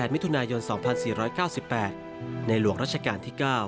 มิถุนายน๒๔๙๘ในหลวงรัชกาลที่๙